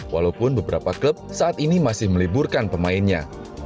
walaupun beberapa klub saat ini masih meliburkan pemainnya